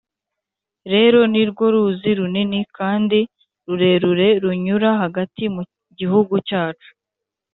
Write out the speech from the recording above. rero ni rwo ruzi runini kandi rurerure runyura hagati mu Gihugu cyacu.